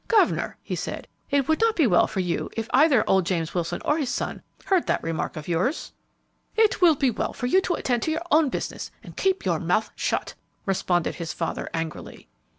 "Governor," he said, "it would not be well for you if either old James Wilson or his son heard that remark of yours!" "It will be well for you to attend to your own business and keep your mouth shut!" responded his father, angrily.